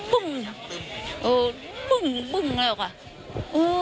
ปุ่อนี่มุ่งมุ่งสิบ